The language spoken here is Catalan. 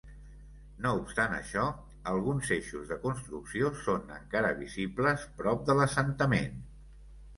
No obstant això, alguns eixos de construcció són encara visibles prop de l'assentament.